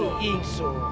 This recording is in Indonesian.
bua garba iksu